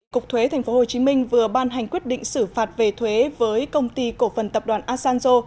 cục thuế tp hcm vừa ban hành quyết định xử phạt về thuế với công ty cổ phần tập đoàn asanzo